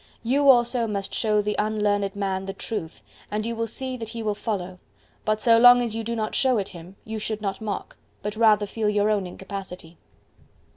You also must show the unlearned man the truth, and you will see that he will follow. But so long as you do not show it him, you should not mock, but rather feel your own incapacity.